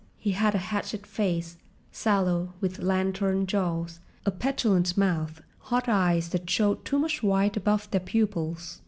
He had a hatchet face, sallow, with lantern jaws, a petulant mouth, hot eyes that showed too much white above their pupils.